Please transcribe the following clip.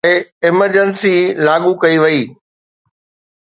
هڪ سال لاءِ ايمرجنسي لاڳو ڪئي وئي